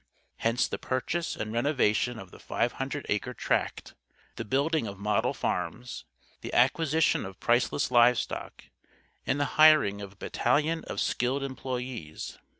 Hence the purchase and renovation of the five hundred acre tract, the building of model farms, the acquisition of priceless livestock, and the hiring of a battalion of skilled employees.